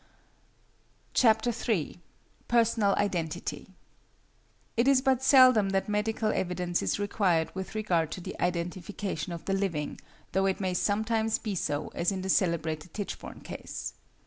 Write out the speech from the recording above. III. PERSONAL IDENTITY It is but seldom that medical evidence is required with regard to the identification of the living, though it may sometimes be so, as in the celebrated Tichborne case.